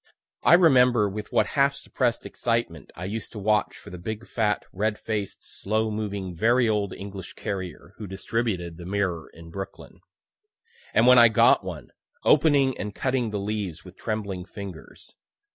I remember with what half suppress'd excitement I used to watch for the big, fat, red faced, slow moving, very old English carrier who distributed the "Mirror" in Brooklyn; and when I got one, opening and cutting the leaves with trembling fingers.